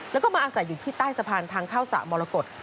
แล้วก็มาอาศัยอยู่ที่ใต้สะพานทางเข้าสระมรกฏ